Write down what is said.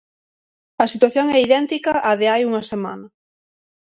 A situación é idéntica á de hai unha semana.